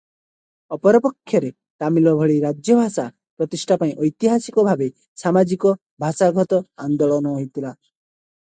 ଅପରପକ୍ଷରେ ତାମିଲ ଭଳି ରାଜ୍ୟଭାଷା ପ୍ରତିଷ୍ଠା ପାଇଁ ଐତିହାସିକ ଭାବେ ସାମାଜିକ-ଭାଷାଗତ ଆନ୍ଦୋଳନ ହୋଇଥିଲା ।